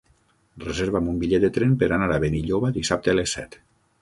Reserva'm un bitllet de tren per anar a Benilloba dissabte a les set.